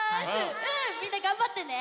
うんみんながんばってね。